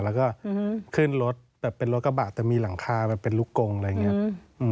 แล้วก็ขึ้นรถแบบเป็นรถกระบะแต่มีหลังคาแบบเป็นลูกกงอะไรอย่างนี้